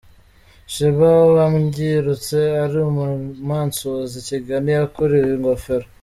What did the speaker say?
Sheebah wabyirutse ari umumansuzi i Kigali yakuriwe ingofero.